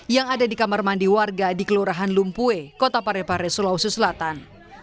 yang ada di kamar mandi warga di kelurahan lumpue kota parepare sulawesi selatan